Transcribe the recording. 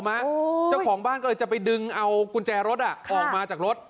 เจ้าของบ้านก็เลยจะไปดึงเอากุญแจรถออกมาจากรถ